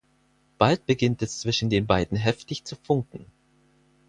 Bald beginnt es zwischen den beiden heftig zu funken.